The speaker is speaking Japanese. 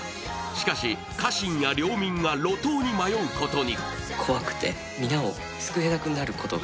しかし家臣や領民が路頭に迷うことに。